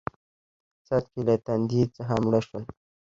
څاڅکې له تندې څخه مړه شوله